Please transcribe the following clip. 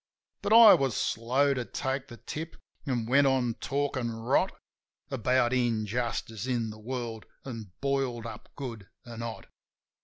But I was slow to take the tip, an' went on talkin' rot About injustice in the world, an' boiled up good an' hot.